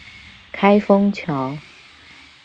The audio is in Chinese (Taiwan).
開封橋